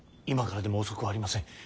今からでも遅くはありません。